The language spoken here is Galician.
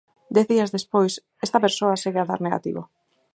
Dez días despois esta persoa segue a dar negativo.